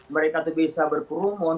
mereka bisa berkurung